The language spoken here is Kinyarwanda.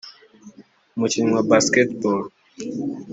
umukinnyi wa basketball